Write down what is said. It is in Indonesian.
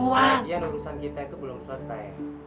lagi lagi urusan kita itu belum selesai